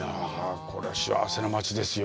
これは幸せな町ですよ。